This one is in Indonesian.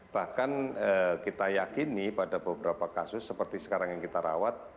bahkan kita yakini pada beberapa kasus seperti sekarang yang kita rawat